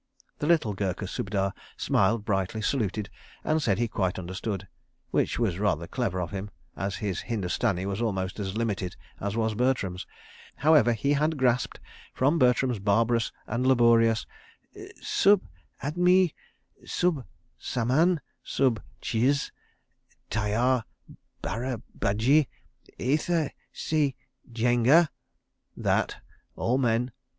The little Gurkha Subedar smiled brightly, saluted, and said he quite understood—which was rather clever of him, as his Hindustani was almost as limited as was Bertram's. However, he had grasped, from Bertram's barbarous and laborious "Sub admi ... sub saman ... sub chiz ... tyar ... bara badji ... ither se jainga ..." that "all men ...